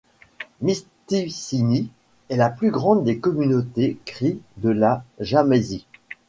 Mistissini est la plus grande des communautés cries de la Jamésie.